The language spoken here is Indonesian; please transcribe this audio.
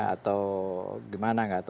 atau gimana enggak